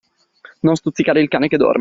Non stuzzicare il can che dorme.